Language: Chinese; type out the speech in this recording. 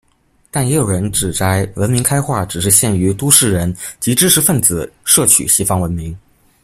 但也有人指摘文明开化只是限于都市人及知识分子摄取西方文明。